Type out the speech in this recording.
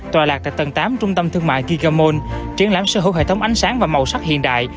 tòa lạc tại tầng tám trung tâm thương mại gigamon triển lãm sở hữu hệ thống ánh sáng và màu sắc hiện đại